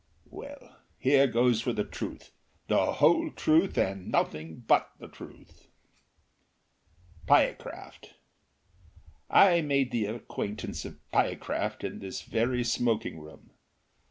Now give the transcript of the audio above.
Well, here goes for the truth, the whole truth, and nothing but the truth! Pyecraft . I made the acquaintance of Pyecraft in this very smoking room.